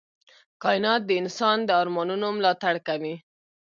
کائنات د انسان د ارمانونو ملاتړ کوي.